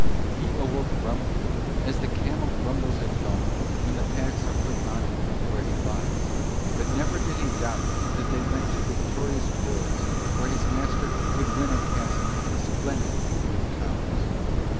He awoke grumbling, as the camel grumbles at dawn when the packs are put on him where he lies, but never did he doubt that they went to victorious wars where his master would win a castle splendid with towers.